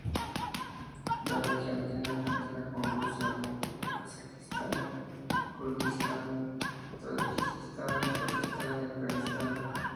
La región tiene frontera con Rusia, Mongolia, Kazajistán, Kirguistán, Tayikistán, Pakistán y Afganistán.